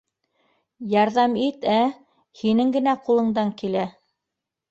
Ярҙам ит, ә? һинең генә ҡулыңдан килә